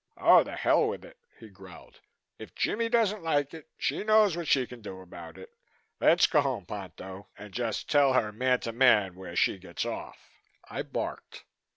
"Oh, the hell with it!" he growled. "If Jimmie doesn't like it, she knows what she can do about it. Let's go on home, Ponto, and just tell her man to man where she gets off." I barked.